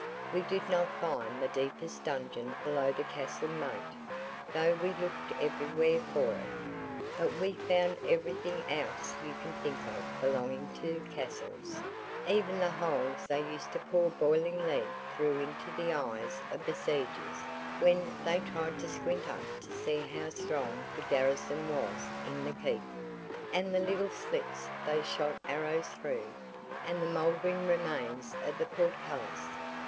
We did not find the deepest dungeon below the castle moat, though we looked everywhere for it, but we found everything else you can think of belonging to castles–even the holes they used to pour boiling lead through into the eyes of besiegers when they tried to squint up to see how strong the garrison was in the keep–and the little slits they shot arrows through, and the mouldering remains of the portcullis.